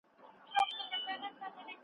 مرحوم عطايي یو لوی عالم و.